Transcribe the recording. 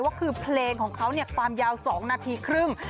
ว่าคือเพลงของเขาความยาว๒นาทีครึ่ง